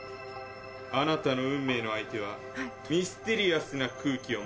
あなたの運命の相手はミステリアスな空気を持っていて。